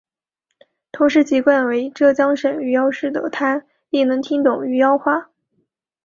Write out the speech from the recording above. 同时籍贯为浙江省余姚市的她亦能听懂余姚话。